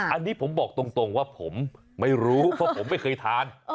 อันนี้ผมบอกตรงว่าผมไม่รู้เพราะผมไม่เคยทาน